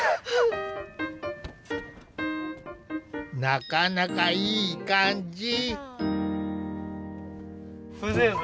なかなかいい感じ。